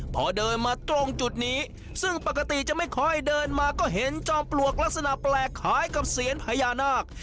พอเดินมาตรงจุดนี้ซึ่งปกติจะไม่ค่อยเดินมาก็เห็นจอมปลวกลักษณะแปลกคล้ายกับเซียนพญานาค